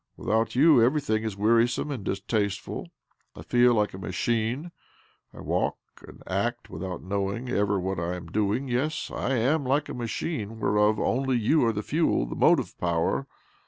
Without you everything is wearisome and distasteful. I feel like a machine, I walk and act without knowing ever what I am doi'jig. Yes, I am like a machine whereof only you are the fuel, the motive power.